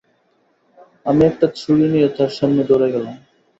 আমি একটা ছুরি নিয়ে তার সামনে দৌড়ে গেলাম।